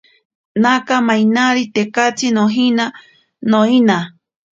Naka mainari tekatsi nojina, noina.